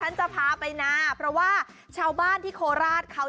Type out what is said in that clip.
จะพาไปนะเพราะว่าชาวบ้านที่โคราชเขา